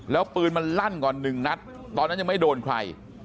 แล้วปืนมันลั่นก่อนหนึ่งนัดตอนนั้นยังไม่โดนใคร